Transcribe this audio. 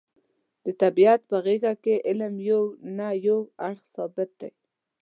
د طبیعت په غېږه کې علم یو نه یو اړخ پټ دی.